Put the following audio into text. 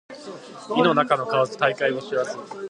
井の中の蛙大海を知らず